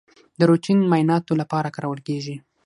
د روټین معایناتو لپاره کارول کیږي.